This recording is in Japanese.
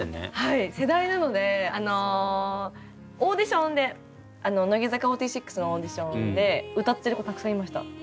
世代なのでオーディションで乃木坂４６のオーディションで歌ってる子たくさんいました。